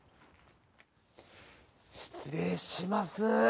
失礼します。